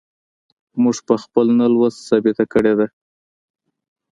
موږ په خپل نه لوست ثابته کړې ده.